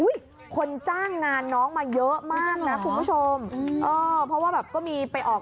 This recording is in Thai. คนจ้างงานน้องมาเยอะมากนะคุณผู้ชมเออเพราะว่าแบบก็มีไปออก